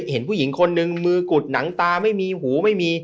เห็นผู้หญิงคนนึงมือกุดหนังตาไม่มีหูไม่มี